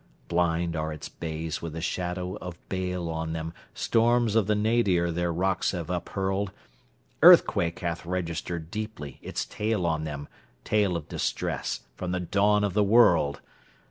Blind are its bays with the shadow of bale on them; Storms of the nadir their rocks have uphurled; Earthquake hath registered deeply its tale on them—Tale of distress from the dawn of the world!